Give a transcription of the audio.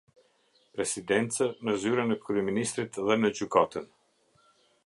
Presidencë, në Zyrën e Kryeministrit dhe në Gjykatën.